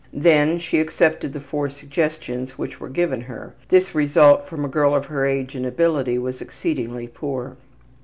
Then she accepted the 4 suggestions which were given her. This result from a girl of her age and ability was exceedingly poor.